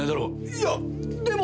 いやでも！